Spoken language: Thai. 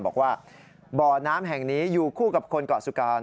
บอกว่าบ่อน้ำแห่งนี้อยู่คู่กับคนเกาะสุการ